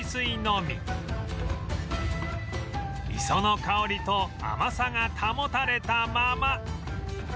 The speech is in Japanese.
磯の香りと甘さが保たれたまま